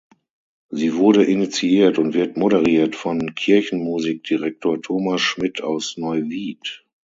Sie wurde initiiert und wird moderiert von Kirchenmusikdirektor Thomas Schmidt aus Neuwied.